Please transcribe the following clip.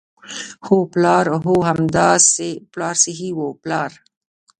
هو، پلار، هو همداسې پلار صحیح وو، پلار.